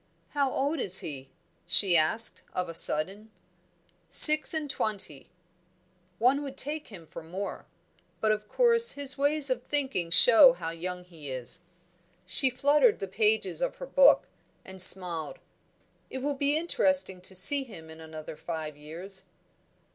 "How old is he?" she asked of a sudden. "Six and twenty." "One would take him for more. But of course his ways of thinking show how young he is." She fluttered the pages of her book, and smiled. "It will be interesting to see him in another five years."